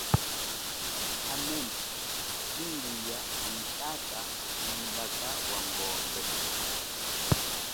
Hamene mungu ya nyi tata ku mulaka wa ngombe.